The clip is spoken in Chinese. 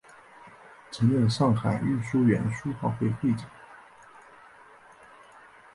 曾任上海豫园书画会会长。